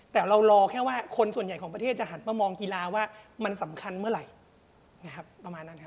แต่เรารอแค่ว่าคนส่วนใหญ่ของประเทศจะหัดมามองกีฬาว่ามันสำคัญเมื่อไหร่